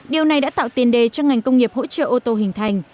điều này đã tạo tiền đề cho ngành công nghiệp hỗ trợ ô tô hình thành